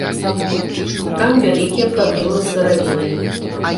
Там вялікія праблемы з сыравінай.